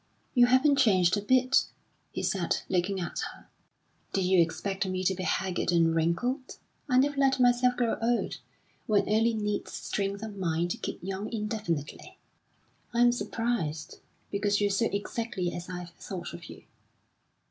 "You haven't changed a bit," he said, looking at her. "Did you expect me to be haggard and wrinkled? I never let myself grow old. One only needs strength of mind to keep young indefinitely." "I'm surprised, because you're so exactly as I've thought of you."